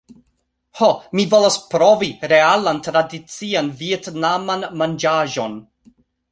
"Ho, mi volas provi realan tradician vjetnaman manĝaĵon